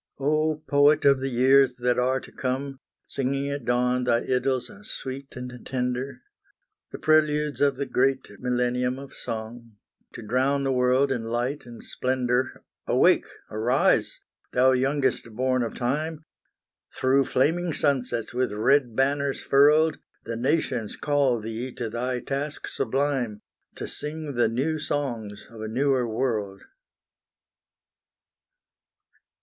Oh! Poet of the years that are to come, Singing at dawn thy idyls sweet and tender The preludes of the great millenium Of song, to drown the world in light and splendour Awake, arise! thou youngest born of time! Through flaming sunsets with red banners furled, The nations call thee to thy task sublime, To sing the new songs of a newer world!